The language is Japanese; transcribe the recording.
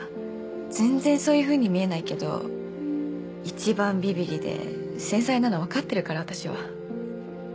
全然そういうふうに見えないけど一番ビビりで繊細なのわかってるから私は」